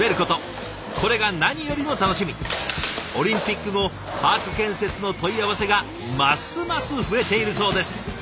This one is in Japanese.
オリンピック後パーク建設の問い合わせがますます増えているそうです。